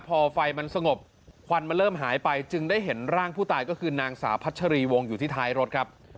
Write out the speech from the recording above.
พอไฟมันสงบควันมันเริ่มหายไปจึงได้เห็นร่างผู้ตายก็คือนางสาวพัชรีวงอยู่ที่ท้ายรถครับ